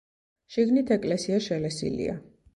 შიგნით ეკლესია შელესილია.